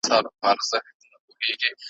له سهاره تر ماښامه په غیبت وي `